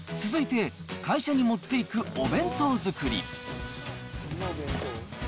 続いて、会社に持っていくお弁当作り。